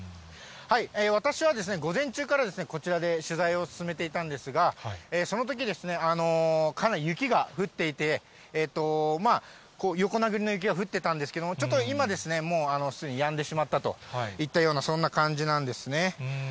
私はですね、午前中からこちらで取材を進めていたんですが、そのとき、かなり雪が降っていて、横殴りの雪が降っていたんですが、ちょっと今、もう、すでにやんでしまったといったような、そんな感じなんですね。